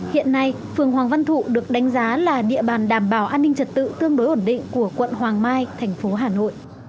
hiện nay phường hoàng văn thụ được đánh giá là địa bàn đảm bảo an ninh trật tự tương đối ổn định của quận hoàng mai thành phố hà nội